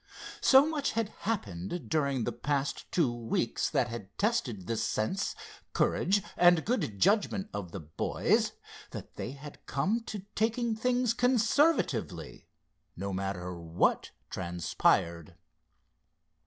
So much had happened during the past two weeks that had tested the sense, courage and good judgment of the boys, that they had come to taking things conservatively, no matter what transpired.